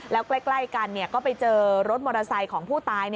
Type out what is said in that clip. แล้วใกล้กันก็ไปเจอรถมอเตอร์ไซค์ของผู้ตาย